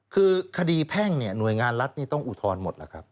คือคดีแพ่งหน่วยงานรัฐต้องอุทธนหมด